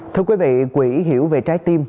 thưa quý vị quỹ hiểu về trái tim